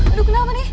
aduh kenapa nih